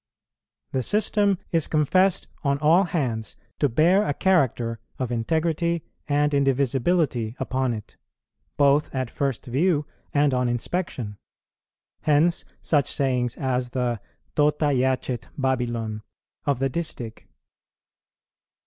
The system is confessed on all hands to bear a character of integrity and indivisibility upon it, both at first view and on inspection. Hence such sayings as the "Tota jacet Babylon" of the distich.